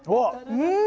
うん！